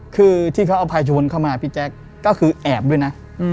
คือที่เขาเอาพายชนวนเข้ามาพี่แจ๊คก็คือแอบด้วยนะ